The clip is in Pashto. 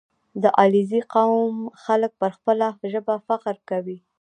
• د علیزي قوم خلک پر خپله ژبه فخر کوي.